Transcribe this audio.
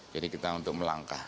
jadi kita untuk melangkah